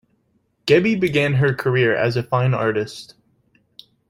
Gebbie began her career as a fine artist.